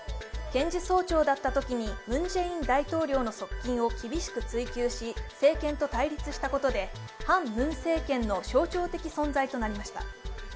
検事総長だったときにムン・ジェイン大統領の側近を厳しく追及し政権と対立したことで反ムン政権の象徴的存在となりました。